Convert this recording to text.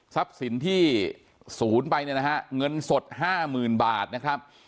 สินที่ศูนย์ไปเนี่ยนะฮะเงินสด๕๐๐๐บาทนะครับ